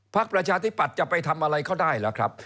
ประชาธิปัตย์จะไปทำอะไรเขาได้ล่ะครับ